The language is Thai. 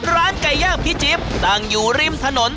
ร้านไก่ย่างพี่จิ๊บตั้งอยู่ริมถนน